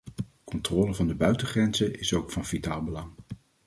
Controle van de buitengrenzen is ook van vitaal belang.